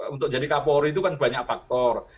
untuk jadi kapolri itu kan banyak faktor